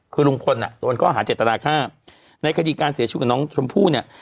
คือลุงพลน่ะโดนข้อหาเจตนาฆ่าในคดีการเสียชีวิตกับน้องชมพู่เนี่ย